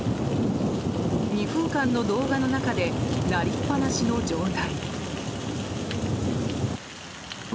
２分間の動画の中で鳴りっぱなしの状態。